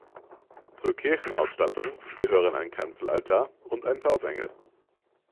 Zur Kirchenausstattung gehören ein Kanzelaltar und ein Taufengel.